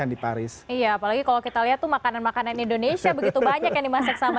ehm apalagi kalau kita lihat tuh makanan makanan indonesia begitu banyak yang dimasak sama